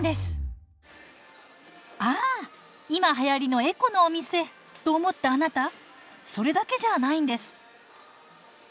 ああ今はやりのエコのお店と思ったあなたそれだけじゃないんです。